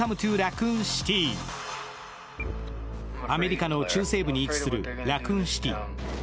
アメリカの中西部に位置するラクーンシティ。